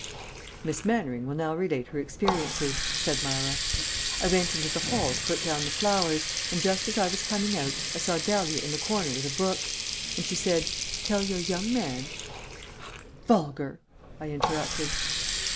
"Miss Mannering will now relate her experiences," said Myra. "I went into the hall to put down the flowers, and just as I was coming out I saw Dahlia in the corner with a book. And she said, 'Tell your young man '" "How vulgar!" I interrupted.